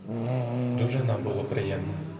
Дуже нам було приємно.